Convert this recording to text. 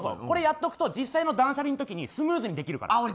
これをやっとくと実際の断捨離の時にスムーズにできるから。